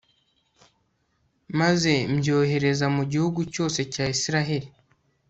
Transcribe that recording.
maze mbyohereza mu gihugu cyose cya israheli